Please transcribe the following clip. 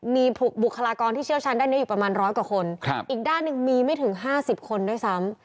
มีบุคลากรที่เชี่ยวชาญด้านนี้อยู่ประมาณร้อยกว่าคนอีกด้านหนึ่งมีไม่ถึง๕๐คนด้วยซ้ำ